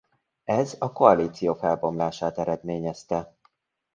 Ez a koalíció felbomlását eredményezte.